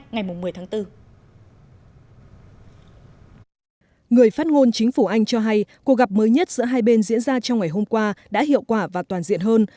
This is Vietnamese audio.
người phát ngôn chính phủ anh cho hay cuộc gặp mới nhất giữa hai bên diễn ra trong ngày hôm qua đã hiệu quả và toàn diện hơn